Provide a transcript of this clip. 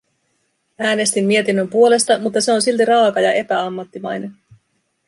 Äänestin mietinnön puolesta, mutta se on silti raaka ja epäammattimainen.